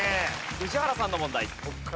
宇治原さんの問題。